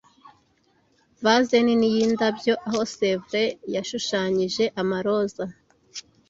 vase nini yindabyo aho sèvre yashushanyije amaroza